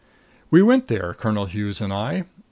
We went there, Colonel Hughes and I.